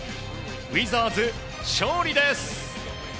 ウィザーズ、勝利です！